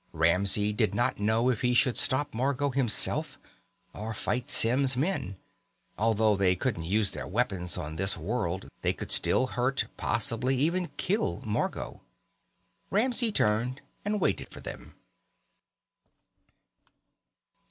Ramsey did not know if he should stop Margot himself, or fight Symm's men. Although they couldn't use their weapons on this world, they could still hurt possibly even kill Margot. Ramsey turned and waited for them.